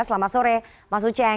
selamat sore mas uceng